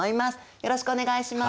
よろしくお願いします！